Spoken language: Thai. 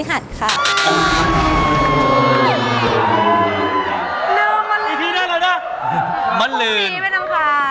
อีกทีได้เลยนะ